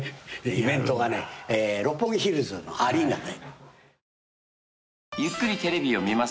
イベントがね六本木ヒルズのアリーナで。